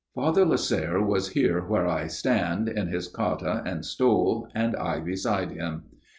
" Father Lasserre was here where I stand, in his cotta and stole, and I beside him.